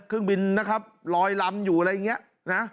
เครื่องบินนะครับลอยลำอยู่อะไรอย่างนี้นะ